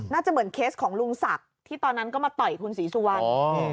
น่าจะเหมือนเคสของลุงศักดิ์ที่ตอนนั้นก็มาต่อยคุณศรีสุวรรณ